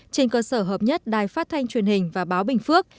trên cơ sở hợp nhất đài phát thanh truyền hình và báo bình phước